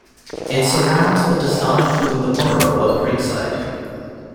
It surrounds but does not include the borough of Creekside.